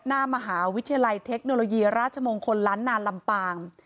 หน้ามหาวิทยาลัยเทคโนโลยีราชมงคลล้านนาลำปาง